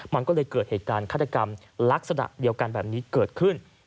มันก็เลยเกิดเหตุการณ์ฆาตกรรมลักษณะเดียวกันแบบนี้เกิดขึ้น